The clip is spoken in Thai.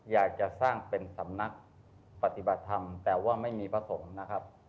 อยากจะสร้างเป็นสำนักปฏิบัติธรรมแต่ว่าไม่มีพระสงฆ์นะครับ